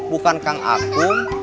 bukan kang akum